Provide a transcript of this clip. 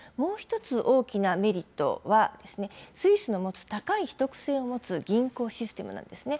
もう１つ大きなメリットは、スイスの持つ高い秘匿性を持つ銀行システムなんですね。